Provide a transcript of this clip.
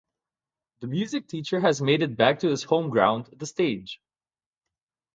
The music-teacher has made it back to his home-ground - the stage.